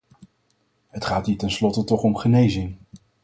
Het gaat hier tenslotte toch om genezing.